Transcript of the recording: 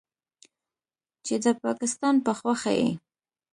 چې د پکستان په خوښه یې